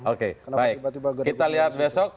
oke baik kita lihat besok